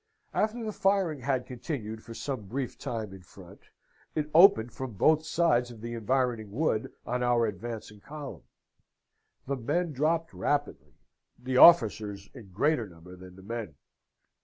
After the firing had continued for some brief time in front, it opened from both sides of the environing wood on our advancing column. The men dropped rapidly, the officers in greater number than the men.